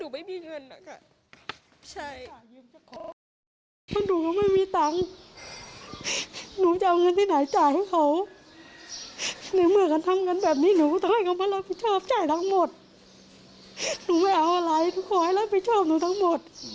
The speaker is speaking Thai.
ไม่ใช่ทั้งหมดหนูไม่เอาอะไรหนูขอให้รักผิดชอบหนูทั้งหมด